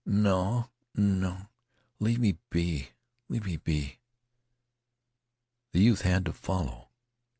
"No no leave me be leave me be " The youth had to follow.